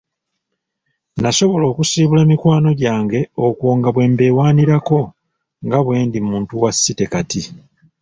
Nasobola okusiibula mikwano gyange okwo nga bwe mbeewaanirako nga bwendi muntu wa city kati.